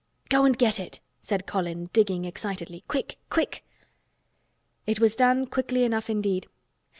"Go and get it!" said Colin, digging excitedly. "Quick! Quick!" It was done quickly enough indeed.